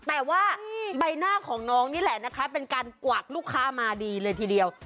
แต่ว่าใบหน้าของน้องนี่แหละนะคะเป็นการกวักลูกค้ามาดีเลยทีเดียว